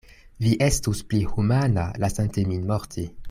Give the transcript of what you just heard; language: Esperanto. Vi estus pli humana, lasante min morti.